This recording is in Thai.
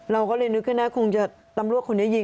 เราก็เลยนึกขึ้นนะคงจะตำรวจคนนี้ยิง